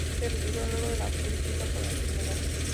Se retiró luego de la política por enfermedad.